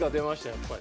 やっぱり。